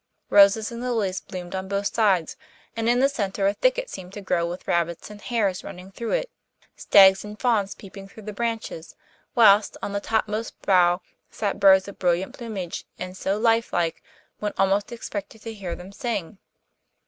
Roses and lilies bloomed on both sides, and in the centre a thicket seemed to grow with rabbits and hares running through it, stags and fawns peeping through the branches, whilst on the topmost boughs sat birds of brilliant plumage and so life like one almost expected to hear them sing.